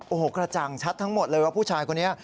โอ้โหกระจ่างชัดทั้งหมดเลยว่าผู้ชายคนนี้